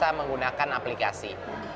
jadi kita menggunakan aplikasi